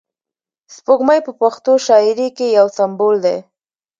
سپوږمۍ په پښتو شاعري کښي یو سمبول دئ.